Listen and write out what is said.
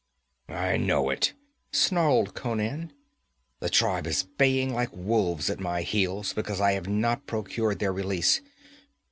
'I know it,' snarled Conan. 'The tribe is baying like wolves at my heels because I have not procured their release.